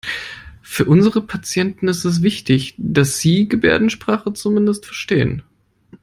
Für unsere Patienten ist es wichtig, dass Sie Gebärdensprache zumindest verstehen.